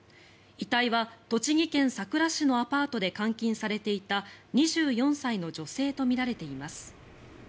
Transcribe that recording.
遺体は栃木県さくら市のアパートで監禁されていた２４歳の女性とみられています。